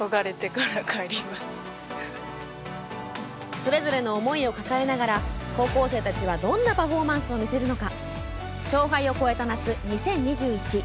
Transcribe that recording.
それぞれの思いを抱えながら高校生たちはどんなパフォーマンスを見せるのか。